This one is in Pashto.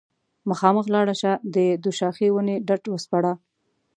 مخامخ لاړه شه د دوشاخې ونې ډډ وسپړه